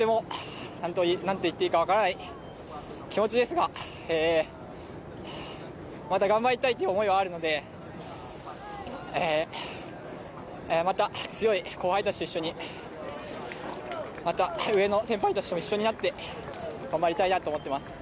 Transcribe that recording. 本当になんと言っていいか分からない気持ちですがまた頑張りたいという思いはあるのでまた強い後輩たちと一緒に、上の先輩たちとも一緒になって頑張りたいなと思っています。